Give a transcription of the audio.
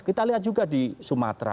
kita lihat juga di sumatera